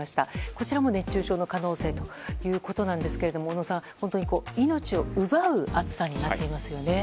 こちらも熱中症の可能性ということなんですが小野さん、命を奪う暑さになっていますよね。